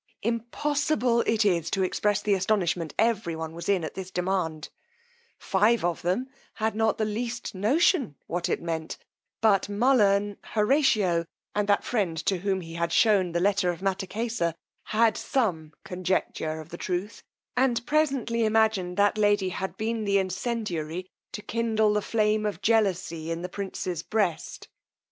Impossible it is to express the astonishment every one was in at this demand: five of them had not the least notion what it meant; but Mullern, Horatio, and that friend to whom he had shewn the letter of Mattakesa, had some conjecture of the truth, and presently imagined that lady had been the incendiary to kindle the flame of jealousy in the prince's breast.